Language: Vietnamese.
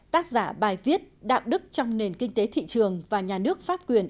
tác giả bài viết đạo đức trong nền kinh tế thị trường và nhà nước pháp quyền